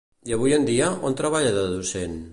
I avui en dia, on treballa de docent?